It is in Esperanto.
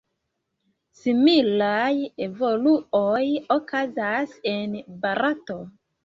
Similaj evoluoj okazas en Barato.